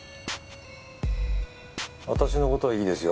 私のことはいいですよ。